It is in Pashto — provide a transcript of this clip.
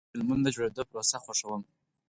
زه د فلمونو د جوړېدو پروسه خوښوم.